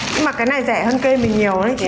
nhưng mà cái này rẻ hơn cây mình nhiều đấy chị hà